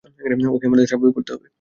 ওকে আমাদের স্বাভাবিক করতে হবে!